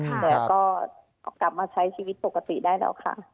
แต่ก็กลับมาใช้ชีวิตปกติได้แล้วค่ะ